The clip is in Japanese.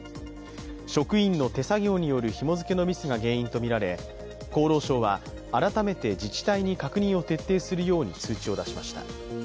職員の手作業によるひも付けのミスが原因とみられ厚労省は、改めて自治体に確認を徹底するように通知を出しました。